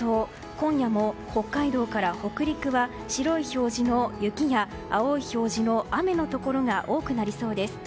今夜も北海道から北陸や白い表示の雪や、青い表示の雨のところが多くなりそうです。